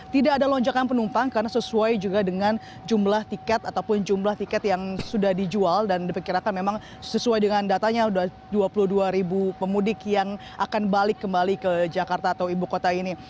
tidak ada lonjakan penumpang karena sesuai juga dengan jumlah tiket ataupun jumlah tiket yang sudah dijual dan diperkirakan memang sesuai dengan datanya sudah dua puluh dua ribu pemudik yang akan balik kembali ke jakarta atau ibu kota ini